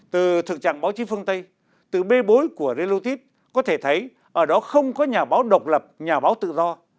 từ thực trạng báo chí phương tây từ bê bối của relotip có thể thấy ở đó không có nhà báo độc lập nhà báo tự do